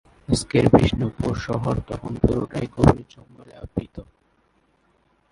আজকের বিষ্ণুপুর শহর তখন পুরোটাই গভীর জঙ্গলে আবৃত।